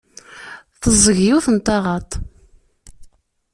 Teẓẓeg yiwet n taɣaḍt.